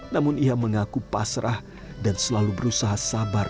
namun ia mengaku pasrah dan selalu berusaha sabar